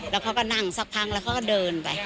แล้วเขาก็นั่งสักพักแล้วเขาก็เดินไป